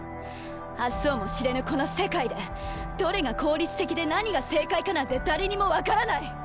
明日をも知れぬこの世界でどれが効率的で何が正解かなんて誰にも分からない。